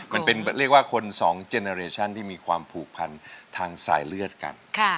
เรียกว่าคนสองเจเนอเรชั่นที่มีความผูกพันทางสายเลือดกัน